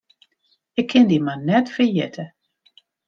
Ik kin dy mar net ferjitte.